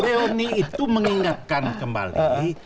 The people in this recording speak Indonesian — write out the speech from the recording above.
reuni itu mengingatkan kembali